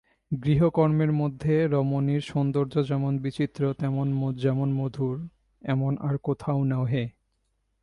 গৃহকর্মের মধ্যে রমণীর সৌন্দর্য যেমন বিচিত্র, যেমন মধুর, এমন আর কোথাও নহে।